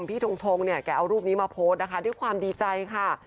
ทงทงเนี่ยแกเอารูปนี้มาโพสต์นะคะด้วยความดีใจค่ะ